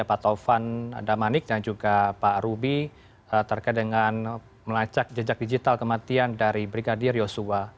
pak taufan damanik dan juga pak rubi terkait dengan melacak jejak digital kematian dari brigadir yosua